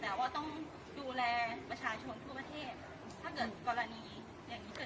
แสดงว่าต้องดูแลประชาชนทั่วประเทศ